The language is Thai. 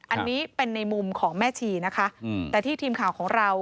อันนี้เป็นในมุมของแม่ชีนะคะแต่ที่ทีมข่าวของเรา